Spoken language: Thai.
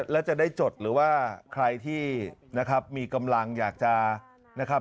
แล้วจะได้จดหรือว่าใครที่นะครับมีกำลังอยากจะนะครับ